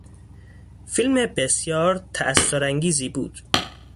فیلم بسیار تاثرانگیزی بود.